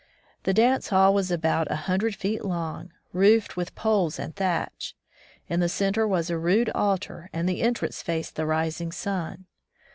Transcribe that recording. The dance haU was about a hundred feet long, roofed with poles and thatch. In the center was a rude altar, and the entrance faced the rising sun.